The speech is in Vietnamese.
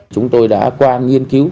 chúng tôi đã qua nghiên cứu